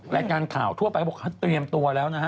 รายการข่าวทั่วไปเขาบอกเขาเตรียมตัวแล้วนะฮะ